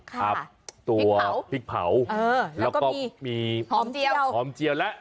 ครับตัวพริกเผาแล้วก็มีหอมเจียวหอมเจียวแล้ว